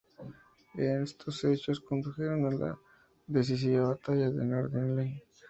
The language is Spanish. Estos hechos condujeron a la decisiva Batalla de Nördlingen.